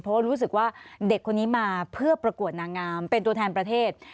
เพราะว่ารู้สึกว่าเด็กคนนี้มาเพื่อประกวดนางงามเป็นตัวแทนประเทศ